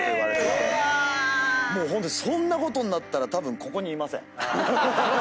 ホントそんなことになったらたぶんここにいません。